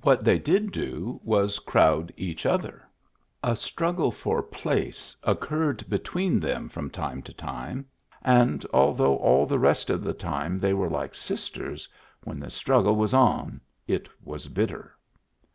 What they did do was crowd each other. A struggle for place occurred be tween them from time to time ; and, although all the rest of the time they were like sisters, when the struggle was on it was bitter.